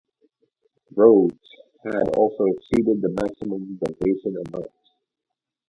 Rhodes had also exceeded the maximum donation amount.